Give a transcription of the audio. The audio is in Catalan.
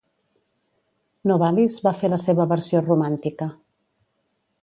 Novalis va fer la seva versió romàntica.